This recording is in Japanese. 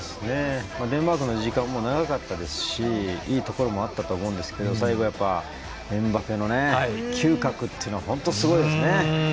デンマークの時間も長かったですしいいところもあったと思うんですけど最後、やっぱりエムバペの嗅覚は本当、すごいですね。